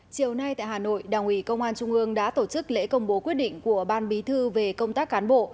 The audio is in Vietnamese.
chiều nay tại hà nội đảng ủy công an trung ương đã tổ chức lễ công bố quyết định của ban bí thư về công tác cán bộ